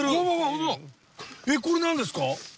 えっこれ何ですか？